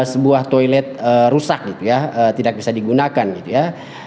sebuah toilet rusak gitu ya tidak bisa digunakan gitu ya